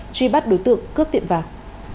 truy bắt đối tượng cướp tiệm vàng